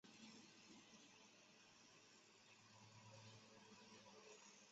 位于原十一中与青岛女专间的分隔墙原址。